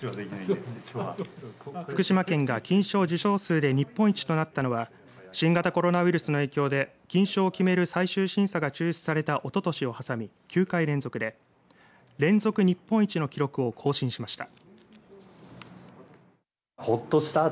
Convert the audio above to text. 福島県が金賞受賞数で日本一となったのは新型コロナウイルスの影響で金賞を決める最終審査が中止されたおととしを挟み９回連続で連続日本一の記録を更新しました。